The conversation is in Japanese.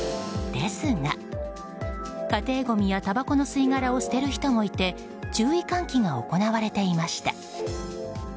ですが家庭ごみやたばこの吸い殻を捨てる人もいて注意喚起が行われていました。